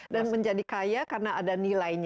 dan menjadi kaya karena ada nilainya